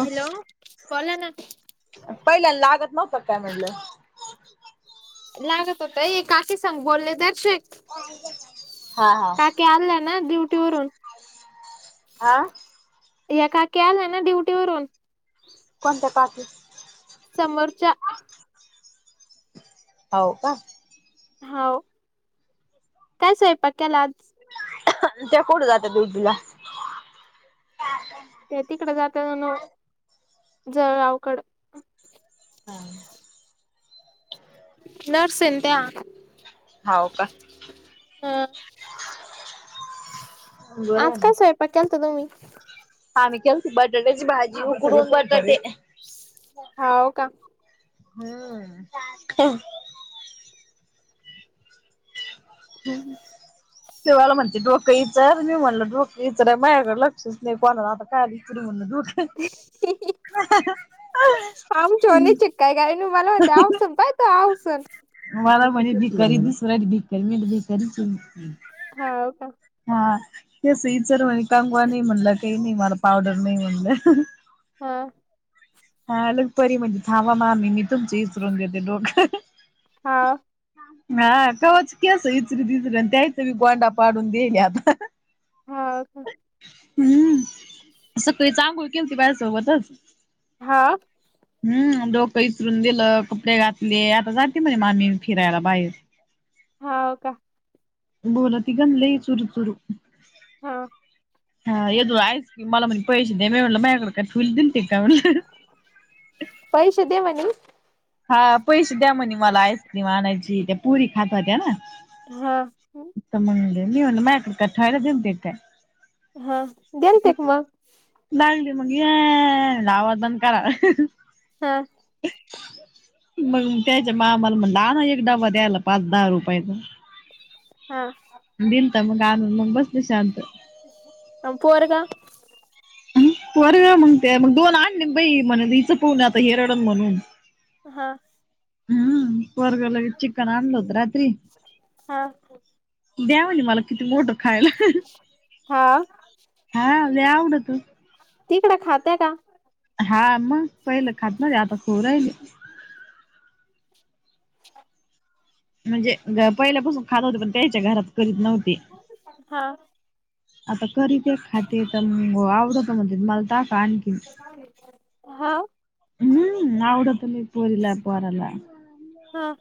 Hello बला ना. पहिल्या लागत नव्हतं का काय म्हणलं? लागत होत एक काकी सांग बोलले दरशीक. काकी आल्या ना ड्युटी वरून. आा. ह्या काकी आल्याय ना ड्युटी वरुन. कोणत्या का की? समोरच्या. हाव का? हाव. काय सोयपाक केला आज? त्या कुड जातात ड्युटीला? त्या तिकडे जात्यानव जळगावकड. हा. नर्से ना त्या. हाव का? ह. हम्म. आज काय स्वयंपाक केलता तुम्ही? आम्ही केलंती बटाट्याची भाजी. उकडून बटाटे. हाव का? [unintelligible] हम्म हम्म. तेमला म्हणते डोकं इचर. मी म्हणल डोकं इचाराय माझ्याकडे लक्षच नाही कोणा आता काय. तरी म्हणल डोक [unintelligible] काही [unintelligible] मला म्हणते आमसूल पाहे तो आमसूल. मला म्हणे भीकारी दिसला की नीट भीक भेिकारीचय हाव का हा केस इचर म्हणल कंगवा नाही म्हणल काही नाही मला पावडर नाही म्हणल. हां हा लगपरी म्हणली थांबा मामी मी तुमचे विचरून देते डोक. हां हा कवाच केस इचरीती इचरी आणि त्यातही गोंडा पाडून द्यायले आता. हां हम्म सकाळीच अंघोळ केलती माझ्या सोबतच. हां हम्म डोक इचरून दिल कपडे घातले आता जाते म्हणे मामी मी फिरायला बाहेर. हाव का. बोलाती गण लय चुरू चुरू. हां हा य दो आयस कि मला म्हणे पैसे दे मी म्हणल माझ्याकडे काय ठिवाय दिलते का म्हणल. पैसे दे म्हणी. हा पैसे द्या म्हणी मला आईस्क्रीम आणायची त्या पोरी खात होत्या ना. हा अता म्हणल मी म्हणल मायापशी काय ठेवायला दीलते काय? हां द्यायचे की मग. लागली मग या म्हणल आवाज बंद करा. हां मग त्यांच्या मामाला म्हणल आणा एक डबा द्यायला पाच दहा रुपयाचा. हां दिलता मग आनून मग बसली शांत. पोरगा पोरग म्हणते मग दोन आणलेत बाई म्हणल हिच पाहून आता हेि रडण म्हणून हां हां हां द्या म्हणे मला तीची बोट खायला. हां हां लई आवडत. तिकड खात्या का? हा मग पहिल खात नव्हती आता खाऊ राहिली. [inaudible] म्हणजे पहिल्यापासून खात होते पण त्यांच्या घरात करीत नव्हते. हां आता करीतेत खातेत तर आवडत म्हणतेत मला टाका आणखीन. हां हम्म आवडत लय पोरीला, पोराला. हां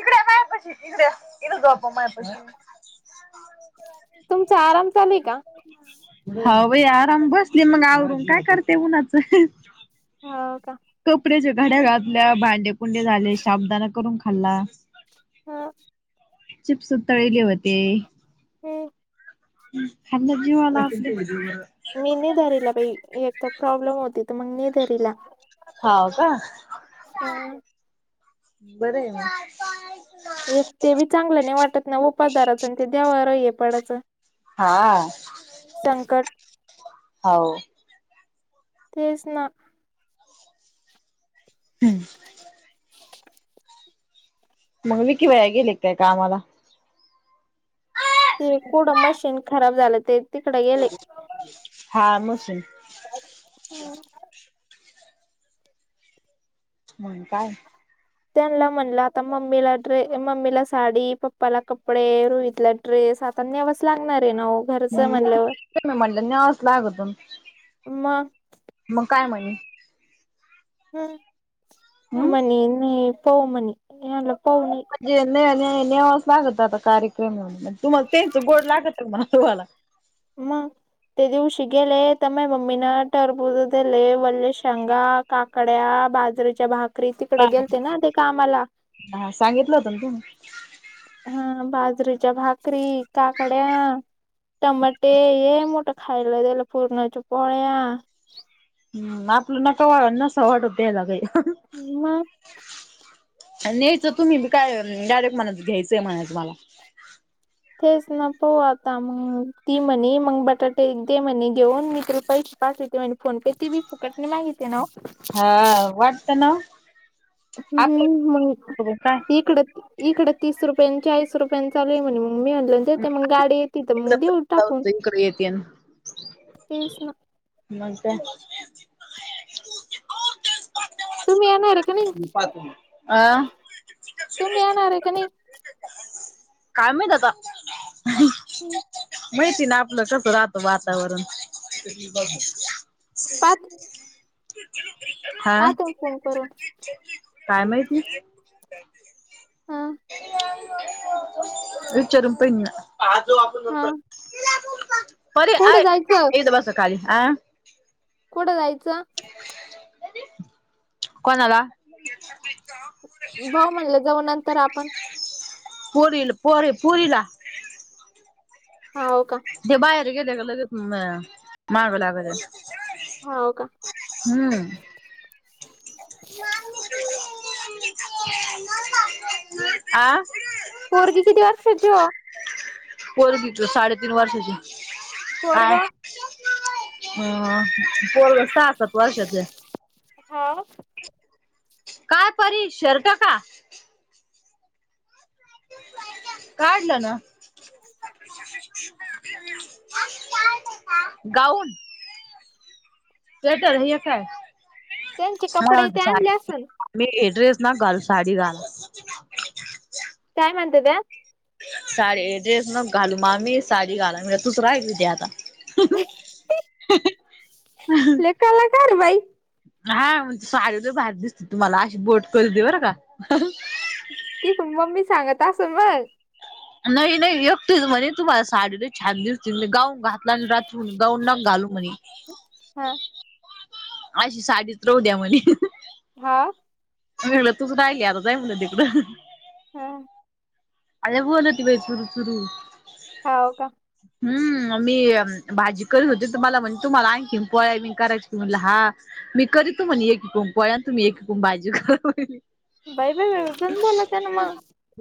इकड ये मायापशी इकड ये इथ झोपव माझ्यापशी. [inaudible] तुमचा आराम चालूये का? हौ भाई आराम बसले मग आवरून, काय करते उन्हाचं? हो का. कपड्यांच्या घड्या घातल्या, भांडेपुंडे झाले शाबुदाना करून खाल्ला. हा. चिप्स तळले होते. हो. ह खंद जीवाला असते. मी नाही धरीला बई,, एक तर प्रॉब्लेम होते तर मग नै धरीला. हो का. हा. बर आहे मग. एक ते बी चांगलं नाही वाटत ना, उपास धरायचा आणि ते देवाव हे पडाचं- हा हौ.. तेच ना हम्म. चच [inaudible] मग विकि भैया गेले की काय कामाला? ते कुडं मशीन खराब झालं ते- तिकडे गेले हा मशीन हम्म. मग काय त्यांनला म्हणलं आता मम्मीला ड्रे मम्मीला साडी पप्पाला कपडे रोहितला ड्रेस आता न्यावाच लागणार आहे ना ओ. घरचं हाय हम्म म्हनल्यावर,, मी म्हणलं न्यावच लागतं मग मग काय म्हणे? हम्म, हम्म मणे नै पाऊ मणे,, मी मनलं पाऊ नाही. म्हजे न नेवास लागत आता कार्यक्रम म्ह, तुम्हाला तेंच गोड लागतं म्हणा तुम्हाला- मग,, ते दिवशी गेले तर म मम्मी ना टरबुज दिले वल्ले शेंगा काकड्या, बाजरीच्या भाकरी, तिकडं गेलते ना ते कामाला हा सांगितलं होतं ना तेवा हा बाजरीच्या भाकरी काकड्या टमाटे हे मोठ खायला द्यायला पुरणाच्या पोळ्या हम्म आपलं नका वा नसा वाटत द्याला काही हं म नाहीच तुम्हीबी काय डायरेक्ट म्हणायचं घ्यायचंय म्हणायचं मला. तेच ना, पाहु आता मग, ती म्हणे मग बटाटे दे म्हणे घेऊन मी तुला पैसे पाठवते म्हणे. फोनपेती बी फुकटणी माहितीे नावो हा वाटतं नाओ हम्म हम्म काय मंग इकडच़ इकडं तीस रुपयांन चाळीस रुपयां चालू आहेमणे, म मी आणलं. देते मग गाडी येते तर मग देऊ टाकू,,, इकडे येते तेच ना. मग काय नवीन? तुम्ही येणारे आ तुम्ही येणारे का नाही? काय माहीत आता. माहिती ना आपलं कसं राहतं वातावरण पात हां फोन करून काय माहिती! हां. विचारून पाहीन ना, आज जाऊ आपण हा नंतर. परी कुठं आय जायचं इथं बसा खाली आं कुठं जायचं? कोणाला? भाऊ म्हणले जाऊ नंतर आपण. पुरील पोरं पुरीला हाव का! ते बाहेर गेले का लगेच अ मागं लागते. हाव का! हम्म. आं पोरगी किती वर्षाची आहे ओ? पोरगी तर साडेतीन वर्षाची आहे, पोरग काय? हां. पोरगं सहा-सात वर्षाचं आहे. हाव का परी शर्ट का? काढलं ना! गाऊन स्वेटर हे काय? त्यांचे मला कपडे ते आणले साडी असंल. मी गेलोयच ना काल साडी घाला [inaudible] काय म्हणतात? साडी ड्रेस नको घालु मामी साडी घाल आणि तूच राहिलीती आता लई कलाकार आहे बाई. हां म्हणजे साडी लई भारी दिसते तुम्हाला अशी बोट करते बरं का. तिथून मम्मी सांगत असेल मग. नाही नाही एकटीच म्हणे तुम्हाला साडीला लई छान दिसते मी गाऊन घातला आणि रात्र होऊन गाऊन नको घालू म्हणे. हां. अशी साडीच राहुदया म्हणे. हां. मी म्हटलं तूच राहिली आता जाय म्हणलं तिकडं. हां. लई बोलती बाई चुरुचुरू. हाव का! हम्म मी भाजी करत होते तर मला म्हण तुम्हाला आणखीन पोळ्या पण करायची का म्हटला हां. मी करीतो म्हणे एक एकूम पोळ्या आणि तुम्ही एकीकुम भाजी करा म्हणाली. बाई बाई बाई पण बोलत आहे ना मग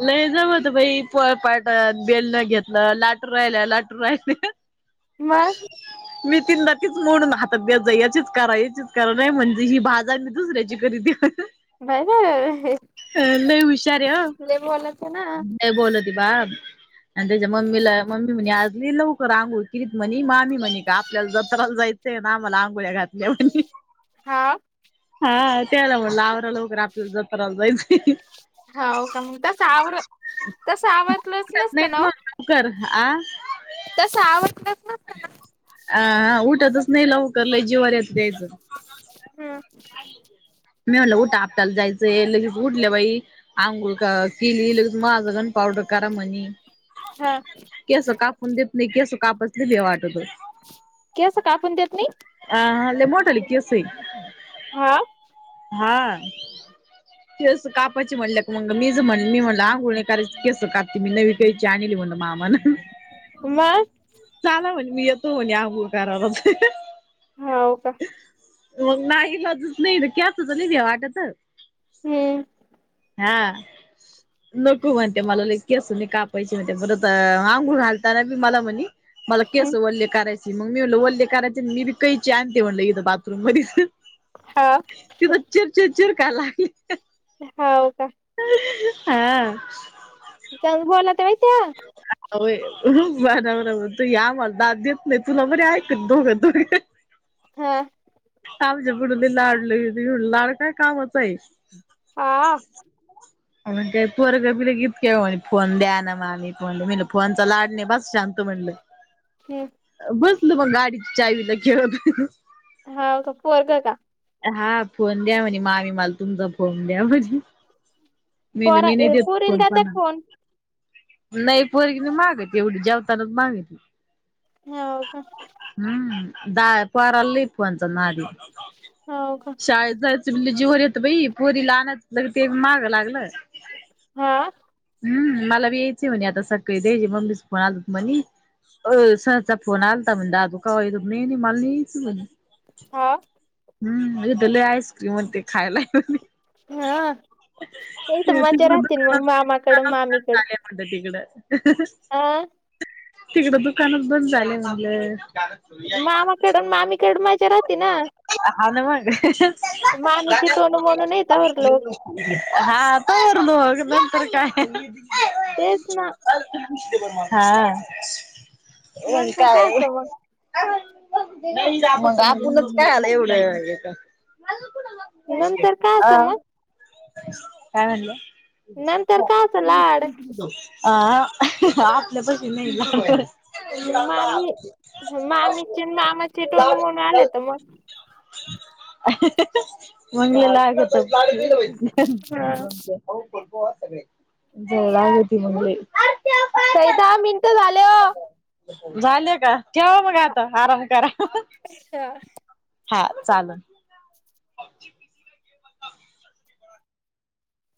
लई जमत बाई पोळपाट बेलनं घेतलं लाटू राहिल्या लाटू राहिल्या. मग [inaudible] मी तीनदा तीच मोडून हातात देत जा. याचीच करा, याचीच करा. नाही म्हणजे ही भाजायची, दुसऱ्याची तरी द्या. बाई, बाई, बाई. हुशार आहे हो. लय बोलत्या ना. लय बोलती बा. अन् त्याज्या मम्मीला, मम्मी म्हनी आज लय लवकर आंघोळी किलीत. म्हणे मामी म्हणे का, आपल्याला जत्राला जायचंय ना. आम्हाला आंघोळ्या घातल्यात मनी. हा. हा, त्याला म्हणलं, आवरा लवकर आपल्याला जत्राला जाइचय. हो, का? मग तसं आवरं, तसं आवरलंच नसतं ना, ओ? कुकर, आ. तसं आवरलच नसतं. अ हा उठतच नाही लवकर, लय जिवावर येतं तेज. हम्. मी म्हणलं, उठा आपटाला जायचंय. लगेच उठले बाई. अंघोळ क कीली. लगेच माझं, गंध- पावडर करा म्हनी. हा केसं कापून देत नाही. केसं कापल कि लय वाटतं. केसं कापूण देत नाही? अं ह लय मोठाले केसय. हा. हा. केस कापायचे म्हणलं मग मीच म्हणल, मी म्हणलं आंघोळ नाही करायची तर, आधी केसं कापते मी. नवी कैंची आणली म्हणलं मामानं. मग? चाला म्हणे, मी येतो म्हणे, अंगोळ करालाच. हाव का? मग नाईलाजच नाही, केसाचं लई भ्या वाटतं. हम्. हां. नको म्हणते, मला लई केस नाही कापायची म्हणते. परत आंघूळ घालताना बी मला म्हनी मला केस हम्म वल्ले करायची. मग मी म्हणलं, वल्ले करायचे न, मी बी कैची आणते म्हणल इथ बाथरूम मधीच. हाव तिथं चिरचिर चिरकाराय लागली. हाव का? [unintelligible] हां. [unintelligible] बोलत्या बाई त्या. होय. [unintelligible] नाही, तुला बरं ऐकते दोघं- दोघं. हा माझ्या पुुड लई लाडाला येती. मनलं, लाड काय कामाचाय. हा आ. मनतेय पोरग बी लगे [unintelligible] काय म्हनी फोन द्या ना मामी. म्हणलं फोनचा लाड नाहि, बस शांत. म्हणलं. हम्म बसलं मग, गाडीच्या चावीला खेळत. हाव का? पोरगं का? हा, फोन द्या म्हनी. मामी, मला तुमचा फोन द्या, म्हनी. मी म्हणलं, पोरा मी नाही देत फोन पोरीला देत्या का कोणाला. फोन नाही, पोरगी नाही मागत एवढी. जेवतानाच मागती. हाव का? हम्म, दा पोराला लई फोनचा नादय. हो का शाळेेत जायचं बी लै जीवावर येतं बाई पोरी ला आनाच ते मागं लागलं हो हम्म मला बी यायचंय म्हणे आता सकाळी त्याचा मम्मीच फोन आलं होतं म्हणे हो सरांचा फोन आलता म्हणलं दादू कवा येतो नाही नाही मला नाही यायचं म्हणे हो हम्म मग दिले आइस्क्रीम अन ते खायला हा ते इथं मज्जा राहते ना मग मामाकडं मामीकडं म्हटलं तिकडं हं हं हं अ तिकडं दुकानच बंद झाले म्हणलं. मामाकडं न मामीकडं माजा राहते ना. हा न मग. अह ह ह ती मामीची टोनू म्हणून इथं उरलो हा आता उरलो मग नंतर काय. तेच ना. हा मंग नंतर काय. होतं मग नई जास्त आपूणच का याला एवढं वरडतं नंतर काय आ असं मग काय म्हणला नंतर कराचं लाड. अह आपलं तसं नाही गं तर मग मामी मामीचे मामाचे टोनू मोनू आले तर मग आ हं हं हं मंग लय लाडाचे आहेत मंग काय आहो कीरकोळ आहे सगळे... बोलालती म्हणले ताई दहा मिनटं झाले. झाले का ठेवा मग आता आराम करा. ठेवा. हा चालन.